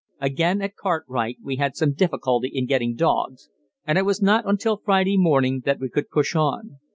Again at Cartwright we had some difficulty in getting dogs, and it was not until Friday morning that we could push on.